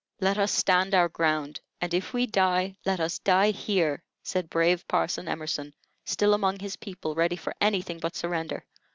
"Let us stand our ground; and if we die, let us die here," said brave Parson Emerson, still among his people, ready for anything but surrender.